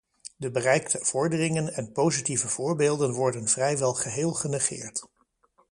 De bereikte vorderingen en positieve voorbeelden worden vrijwel geheel genegeerd.